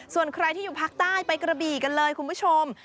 ส่วนใครที่อยู่ภาคใต้ไปกระบี่กันเลยคุณผู้ชม